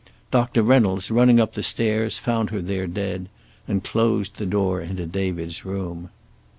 Doctor Reynolds, running up the stairs, found her there dead, and closed the door into David's room.